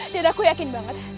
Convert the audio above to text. dan aku yakin banget